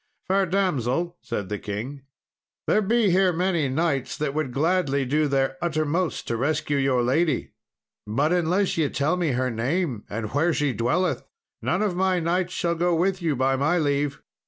"Fair damsel," said the king, "there be here many knights that would gladly do their uttermost to rescue your lady, but unless ye tell me her name, and where she dwelleth, none of my knights shall go with you by my leave."